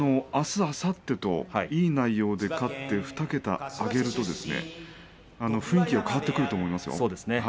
あすあさってといい内容で勝って２桁挙げると雰囲気が変わってくると思いますよ。